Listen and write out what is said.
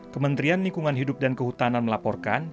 kementerian lingkungan hidup dan kehutanan melaporkan